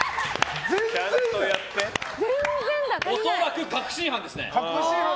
恐らく確信犯ですね。